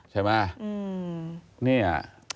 ใช่ไหม